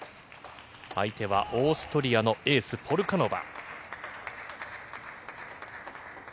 相手はオーストリアのエース、ポルカノバ。